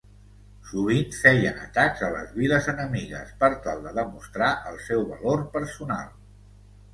Sovint feien atacs a les viles enemigues per tal de demostrar el seu valor personal.